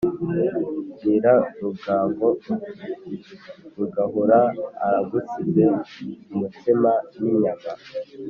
Bwira rugango, uti Rugahura aragusize-Umutsima n'inyama.